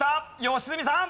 良純さん。